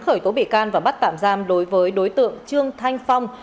khởi tố bị can và bắt tạm giam đối với đối tượng trương thanh phong